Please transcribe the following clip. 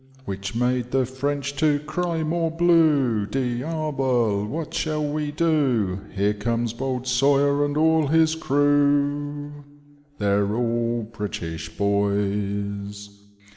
Which made the French to cry, " Morblue I Diabel I what shall we do ? Here comes bold Sawyer, and all^his crew, They're all British boys.